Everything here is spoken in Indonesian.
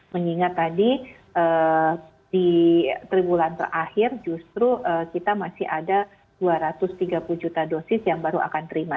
mengingat tadi di tiga bulan terakhir justru kita masih ada dua ratus tiga puluh juta dosis yang baru akan terima